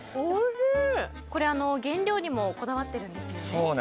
原料にもこだわっているんですよね。